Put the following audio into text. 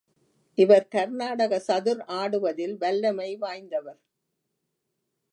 இவர் கர்நாடக சதுர் ஆடுவதில் வல்லமை வாய்ந்தவர்.